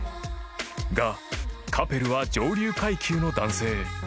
［がカペルは上流階級の男性］